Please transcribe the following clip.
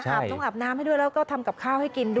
ต้องอาบน้ำให้ด้วยแล้วก็ทำกับข้าวให้กินด้วย